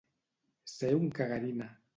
Ser un cagarina.